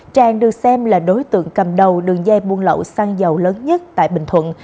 tràng được xem là đối tượng cầm đầu đường dây buôn lậu xăng dầu lớn nhất tại bình thuận